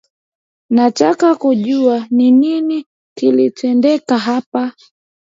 Nataka kujua ni nini kilitendeka hapa